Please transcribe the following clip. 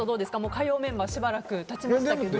火曜メンバーしばらく経ちましたけど。